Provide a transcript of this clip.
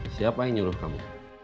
siapa yang nyuruh kamu